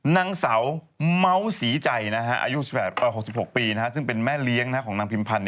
นางสาวเมาส์ศรีใจอายุ๖๖ปีซึ่งเป็นแม่เลี้ยงของนางพิมพันธ์